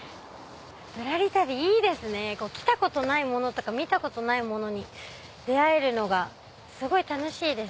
ぶらり旅いいですね。来たことないとか見たことないものに出会えるのすごい楽しいです。